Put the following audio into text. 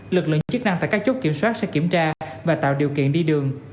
lực lượng chức năng tại các chốt kiểm soát sẽ kiểm tra và tạo điều kiện đi đường